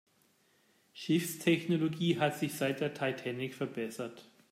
Schiffstechnologie hat sich seit der Titanic verbessert.